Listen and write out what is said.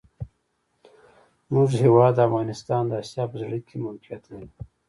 زموږ هېواد افغانستان د آسیا په زړه کي موقیعت لري.